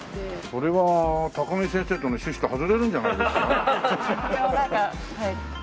それは高木先生との趣旨と外れるんじゃないですか？